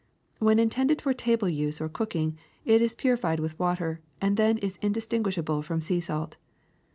When intended for table use or cooking, it is purified with water, and then is undistinguishable from sea salt.